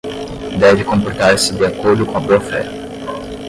deve comportar-se de acordo com a boa-fé